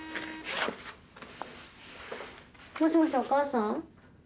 もしもしお母さん。